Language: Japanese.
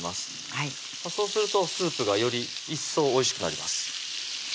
はいそうするとスープがよりいっそうおいしくなります